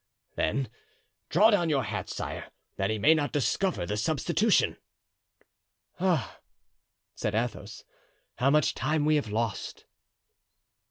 "Then draw down your hat, sire, that he may not discover the substitution." "Ah!" said Athos, "how much time we have lost."